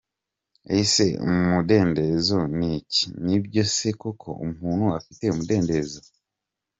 Ese umudendezo ni iki? Ni byo se koko umuntu afite umudendezo?.